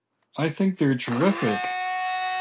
I think they're terrific.